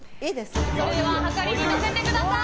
それでははかりに乗せてください。